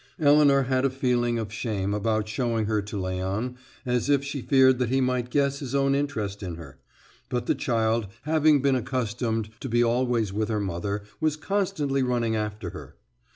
Elinor had a feeling of shame about showing her to Léon, as if she feared that he might guess his own interest in her; but the child, having been accustomed to be always with her mother, was constantly running after her.